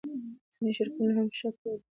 ځینې شرکتونه لا هم شک لري.